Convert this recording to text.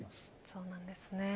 そうなんですね。